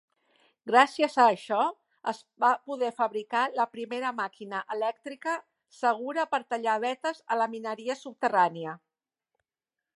Gràcies a això, es va poder fabricar la primera màquina elèctrica segura per tallar vetes a la mineria subterrània.